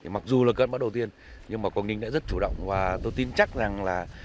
mặc dù là cơn bão đầu tiên nhưng mà quảng ninh đã rất chủ động và tôi tin chắc rằng là